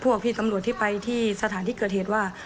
พวกพี่ตำรวจที่ไปที่สถานที่เกิดเหตุว่า